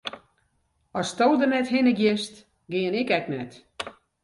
Asto der net hinne giest, gean ik ek net.